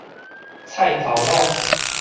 菜頭滷